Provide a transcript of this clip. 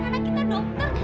anak kita dokter